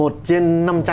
một trên năm trăm linh